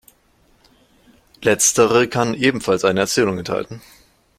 Letztere kann ebenfalls eine Erzählung enthalten.